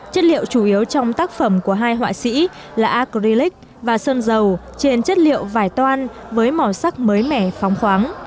chất liệu chủ yếu trong tác phẩm của hai họa sĩ là acrylic và sơn dầu trên chất liệu vải toan với màu sắc mới mẻ phóng khoáng